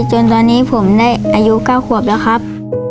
จนตอนนี้ผมได้อายุ๙ขวบแล้วครับ